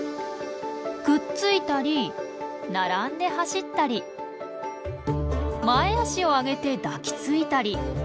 くっついたり並んで走ったり前足を上げて抱きついたり。